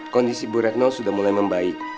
kondisi bu retno sudah mulai membaik